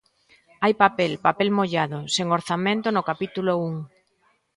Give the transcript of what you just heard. Hai papel, papel mollado, sen orzamento no capítulo un.